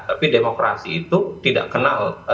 tapi demokrasi itu tidak kenal